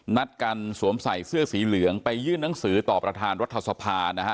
นัดกันสวมใส่เสื้อสีเหลืองไปยื่นหนังสือต่อประธานรัฐสภานะฮะ